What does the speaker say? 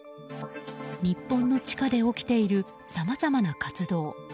日本の地下で起きているさまざまな活動。